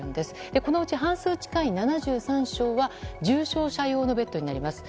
このうち半数近い７３床は重症者用のベッドになります。